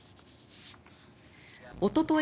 おととい